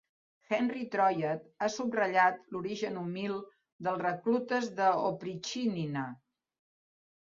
Henri Troyat ha subratllat l'origen humil dels reclutes d'oprichnina.